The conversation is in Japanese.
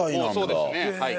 そうですねはい。